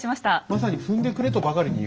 まさに踏んでくれとばかりに。